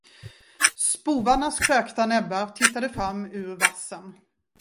Spovarnas krökta näbbar tittade fram ur vassen.